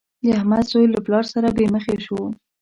د احمد زوی له پلار سره بې مخه شو.